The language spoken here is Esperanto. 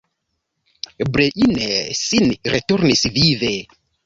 Breine sin returnis vive.